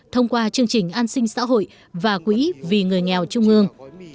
thông qua chương trình an sinh xã hội và quỹ vì người nghèo trung ương